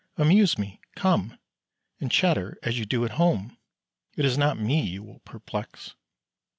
Amuse me! come, And chatter as you do at home; It is not me you will perplex."